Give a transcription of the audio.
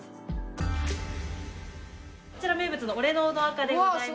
こちら名物の俺のうどん赤でございます。